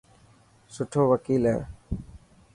سٺو وڪيل هي.